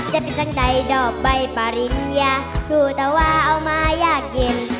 จะเป็นจังใดดอกใบปริญญารู้แต่ว่าเอามายากเย็น